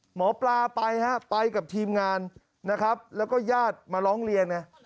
หมอปลาไปฮะไปกับทีมงานนะครับแล้วก็ญาติมาร้องเรียนไง